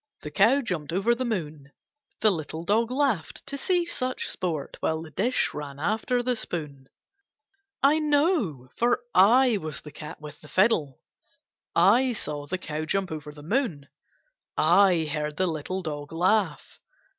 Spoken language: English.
The cow jumped over the moon; The little dog laughed To see such sport. While the dish ran after the spoon. I know, for I was the cat with the fiddle. [ saw the cow jump over the moon. [ heard the little dog laugh.